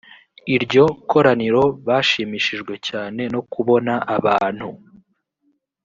iryo koraniro bashimishijwe cyane no kubona abantu